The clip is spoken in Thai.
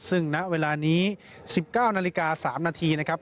ซึ่งณเวลานี้สิบเก้านาฬิกาสามนาทีนะครับ